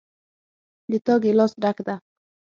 د تا ګلاس ډک ده